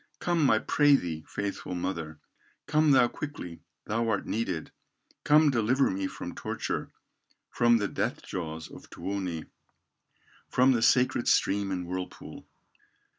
Come, I pray thee, faithful mother, Come thou quickly, thou art needed, Come deliver me from torture, From the death jaws of Tuoni, From the sacred stream and whirlpool."